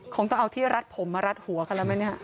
คงต้องเอาที่รัดผมมารัดหัวกันแล้วไหมเนี่ย